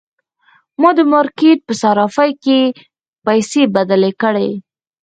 ما د مارکیټ په صرافۍ کې پیسې بدلې کړې.